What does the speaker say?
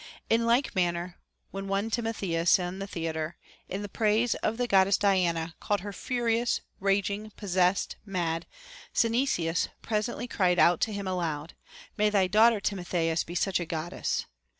In like manner, when one Timothens on the theatre, in the praise of the Goddess Diana, called her furious, raging, possessed, mad, Cinesias presently cried out to him aloud, May thy daughter, Timothens, be such a Goddess